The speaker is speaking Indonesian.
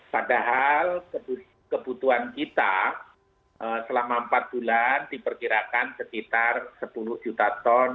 padahal kebutuhan kita selama empat bulan diperkirakan sekitar sepuluh juta ton